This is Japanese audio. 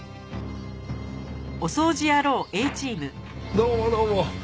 どうもどうも。